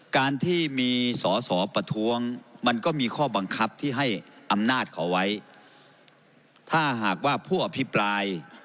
การที่มีสอสอประท้วงมันก็มีข้อบังคับที่ให้อำนาจเขาไว้ถ้าหากว่าผู้อภิปราย